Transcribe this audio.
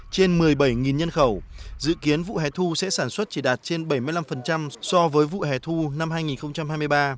trên một mươi bảy nhân khẩu dự kiến vụ hẻ thu sẽ sản xuất chỉ đạt trên bảy mươi năm so với vụ hẻ thu năm hai nghìn hai mươi ba